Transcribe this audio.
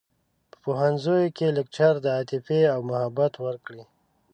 په پوهنځیوکې لکچر د عاطفې او محبت ورکړی